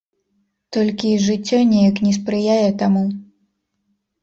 Толькі жыццё неяк не спрыяе таму.